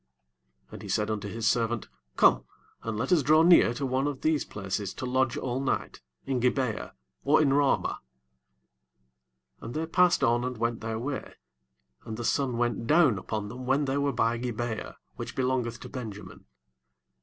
13 And he said unto his servant, Come, and let us draw near to one of these places to lodge all night, in Gib'e ah, or in Ramah. 14 And they passed on and went their way; and the sun went down upon them when they were by Gib'e ah, which belongeth to Benjamin.